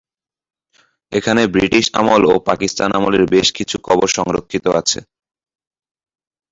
এখানে ব্রিটিশ আমল ও পাকিস্তান আমলের বেশ কিছু কবর সংরক্ষিত আছে।